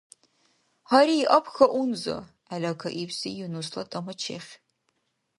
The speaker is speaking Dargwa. — Гьари абхьа унза, — гӀела кайибси Юнусла тӀама чехиб.